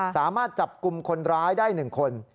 สามารถจับกลุ่มคนร้ายได้๑คน